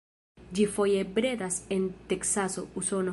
Ĝi foje bredas en Teksaso, Usono.